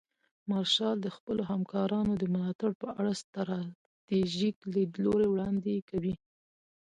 مارشال د خپلو همکارانو د ملاتړ په اړه ستراتیژیک لیدلوري وړاندې کوي.